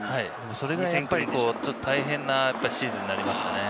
それだけ大変なシーズンになりましたね。